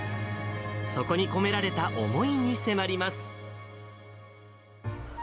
そこに込められた思いに迫ります。